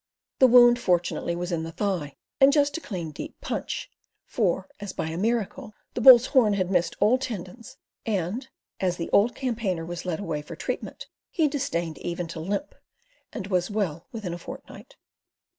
The wound fortunately, was in the thigh, and just a clean deep punch for, as by a miracle, the bull's horn had missed all tendons and as the old campaigner was led away for treatment he disdained even to limp, and was well within a fortnight.